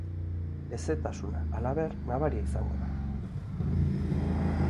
Hezetasuna, halaber, nabaria izango da.